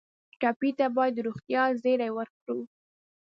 ټپي ته باید د روغتیا زېری ورکړو.